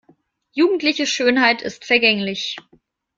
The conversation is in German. Jugendliche Schönheit ist vergänglich.